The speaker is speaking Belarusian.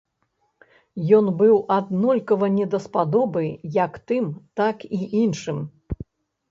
Ён быў аднолькава не даспадобы як тым, так і іншым.